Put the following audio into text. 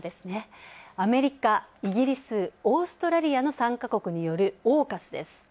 アメリカ、イギリス、オーストラリアの３か国によるＡＵＫＵＳです。